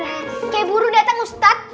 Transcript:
oke buru dateng ustadz